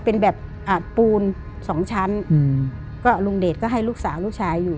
เป็นแบบอาจปูนสองชั้นอืมก็ลุงเดชก็ให้ลูกสาวลูกชายอยู่